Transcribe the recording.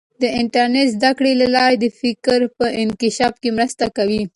د انټرنیټ د زده کړې له لارې د فکر په انکشاف کې مرسته کوي.